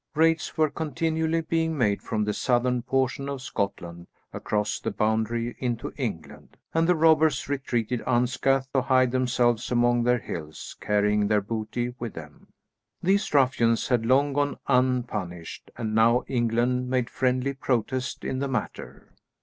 Raids were continually being made from the southern portion of Scotland across the boundary into England, and the robbers retreated unscathed to hide themselves among their hills, carrying their booty with them. These ruffians had long gone unpunished, and now England made friendly protest in the matter.